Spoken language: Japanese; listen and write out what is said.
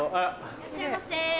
・いらっしゃいませ・